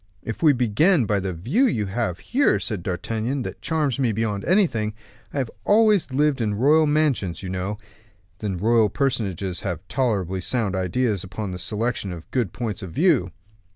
"If we begin by the view you have here," said D'Artagnan, "that charms me beyond everything; I have always lived in royal mansions, you know, and royal personages have tolerably sound ideas upon the selection of points of view."